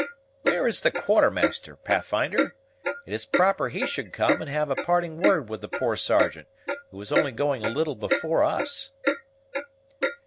Where is the Quartermaster, Pathfinder? It is proper he should come and have a parting word with the poor Sergeant, who is only going a little before us."